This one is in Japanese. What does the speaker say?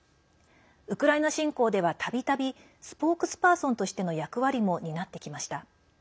ウクライナ侵攻では、たびたびスポークスパーソンとしての役割も担ってきました。